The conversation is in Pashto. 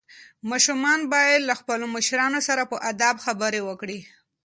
ماشومان باید له خپلو مشرانو سره په ادب خبرې وکړي.